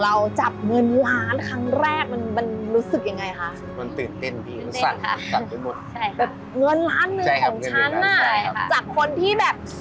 เราก็ถูกมาถูกทุกวันนี้อะไรอย่างนี้